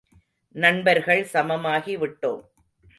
நண்பர்கள் சமமாகி விட்டோம்.